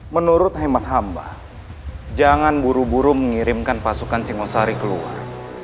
menurut hemat hamba jangan buru buru mengirimkan pasukan singosari keluar